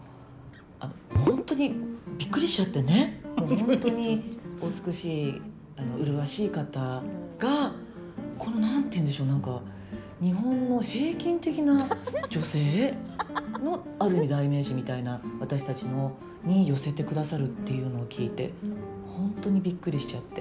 本当にお美しい、麗しい方がこの、なんて言うんでしょうなんか日本の平均的な女性のある意味、代名詞みたいな私たちに寄せてくださるっていうのを聞いて本当にびっくりしちゃって。